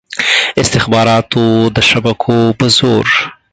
استخباراتو د شبکو په زور.